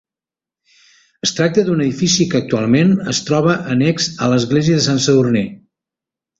Es tracta d'un edifici que actualment es troba annex a l'església de Sant Sadurní.